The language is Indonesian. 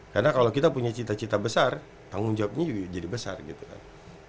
karena kalau kita punya cita cita besar tanggung jawabnya juga jadi besar gitu kan